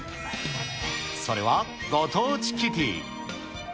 それはご当地キティ。